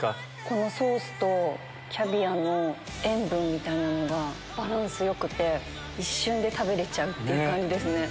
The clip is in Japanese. このソースとキャビアの塩分みたいなのがバランスよくて一瞬で食べれちゃうって感じですね。